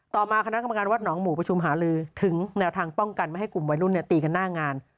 ต่อมาคณะกรรมการวัดหนองหมูประชุมหาลือถึงแนวทางป้องกันไม่ให้กลุ่มวัยรุ่นตีกันหน้างาน